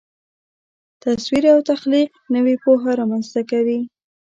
تصور او تخلیق نوې پوهه رامنځته کوي.